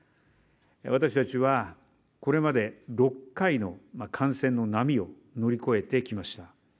私たちは、これまで６回の感染の波を乗り越えてきました。